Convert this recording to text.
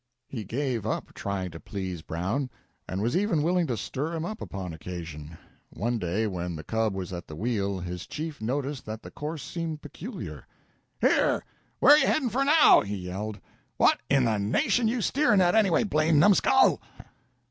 He gave up trying to please Brown, and was even willing to stir him up upon occasion. One day when the cub was at the wheel his chief noticed that the course seemed peculiar. "Here! Where you headin' for now?" he yelled. "What in the nation you steerin' at, anyway? Blamed numskull!"